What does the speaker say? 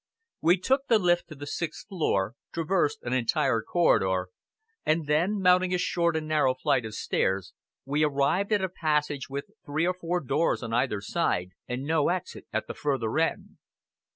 We took the lift to the sixth floor, traversed an entire corridor, and then, mounting a short and narrow flight of stairs, we arrived at a passage with three or four doors on either side, and no exit at the further end.